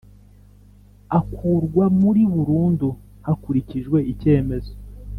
akurwa muri burundu hakurikijwe icyemezo